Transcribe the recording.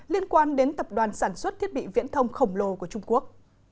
liên quan đến tập đoàn sản xuất thiết bị viễn thông khổng lồ của trung quốc